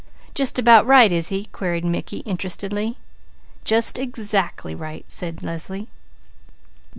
"Just about right is he?" queried Mickey, interestedly. "Just exactly right!" said Leslie.